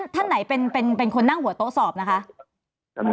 ท่านไหนเป็นคนนั่งหัวโต๊ะสอบนะคะ